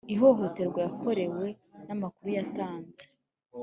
ihohoterwa yakorewe n amakuru yatanze